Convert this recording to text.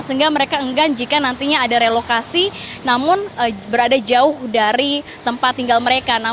sehingga mereka enggan jika nantinya ada relokasi namun berada jauh dari tempat tinggal mereka